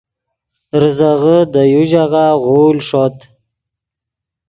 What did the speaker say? ریزغے دے یو ژاغہ غول ݰوت